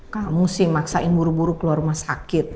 kamu sih maksain buru buru keluar rumah sakit